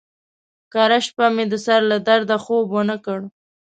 کرۍ شپه مې د سر له درده خوب ونه کړ.